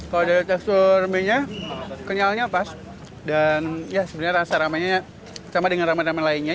kalau dari tekstur mie nya kenyalnya pas dan ya sebenarnya rasa ramanya sama dengan rama ramen lainnya